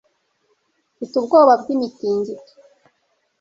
mfite ubwoba bw'imitingito